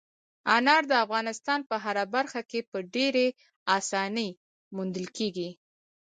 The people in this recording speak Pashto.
انار د افغانستان په هره برخه کې په ډېرې اسانۍ موندل کېږي.